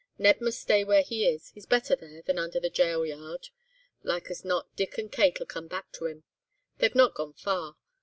Ned must stay where he is—he's better there than under the gaol yard. Like as not Dick and Kate'll come back to him. They've not gone far.